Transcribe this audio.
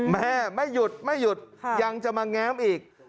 แม่ไม่หยุดไม่หยุดยังจะมาแง้มอีก